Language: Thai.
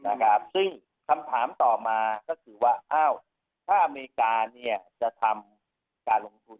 นะครับซึ่งคำถามต่อมาก็คือว่าอ้าวถ้าอเมริกาเนี่ยจะทำการลงทุน